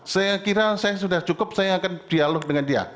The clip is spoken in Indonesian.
saya kira saya sudah cukup saya akan dialog dengan dia